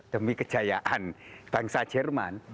demi kejayaan bangsa jerman